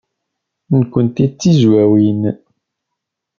Nekkenti d Tizwawin.